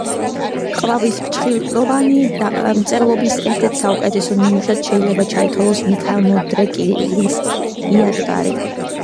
ყვავისფრჩხილოვანი დამწერლობის ერთ-ერთ საუკეთესო ნიმუშად შეიძლება ჩაითვალოს მიქაელ მოდრეკილის იადგარი.